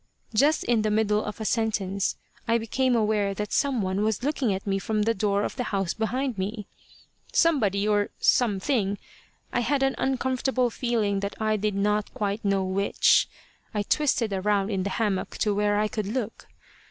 Just in the middle of a sentence I became aware that some one was looking at me from the door of the house behind me. Somebody or something, I had an uncomfortable feeling that I did not quite know which. I twisted around in the hammock to where I could look.